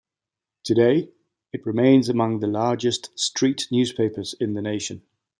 Today, it remains among the largest street newspapers in the nation.